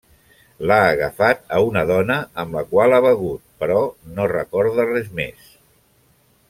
L'ha agafat a una dona amb la qual ha begut, però no recorda res més.